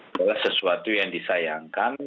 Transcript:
adalah sesuatu yang disayangkan